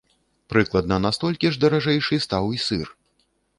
Прыкладна на столькі ж даражэйшы стаў і сыр.